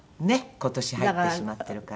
今年入ってしまってるから。